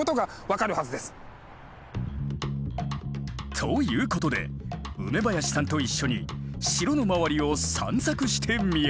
ということで梅林さんと一緒に城の周りを散策してみよう。